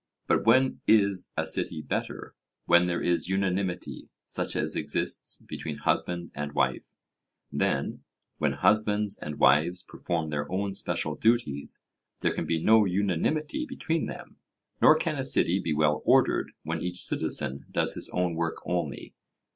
But when is a city better? 'When there is unanimity, such as exists between husband and wife.' Then, when husbands and wives perform their own special duties, there can be no unanimity between them; nor can a city be well ordered when each citizen does his own work only.